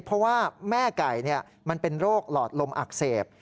เพราะว่าแม่ไก่มันเป็นโรคหลอดลมอักเสบ